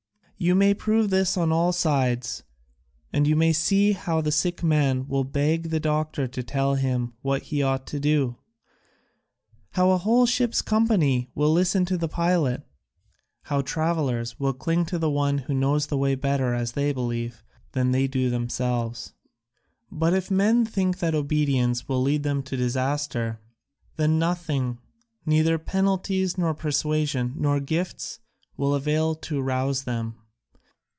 You may prove this on all sides: you may see how the sick man will beg the doctor to tell him what he ought to do, how a whole ship's company will listen to the pilot, how travellers will cling to the one who knows the way better, as they believe, than they do themselves. But if men think that obedience will lead them to disaster, then nothing, neither penalties, nor persuasion, nor gifts, will avail to rouse them.